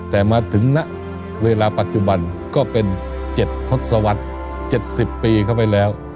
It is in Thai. แต่มาถึงณเวลาปัจจุบันก็เป็น๗ทศวรรษ๗๐ปีเข้าไปแล้ว